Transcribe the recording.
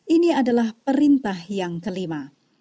ini adalah perintah yang kelima